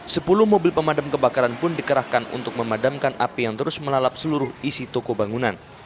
sepuluh mobil pemadam kebakaran pun dikerahkan untuk memadamkan api yang terus melalap seluruh isi toko bangunan